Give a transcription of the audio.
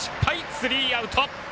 スリーアウト。